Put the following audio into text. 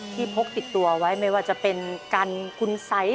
พกติดตัวไว้ไม่ว่าจะเป็นกันคุณสัย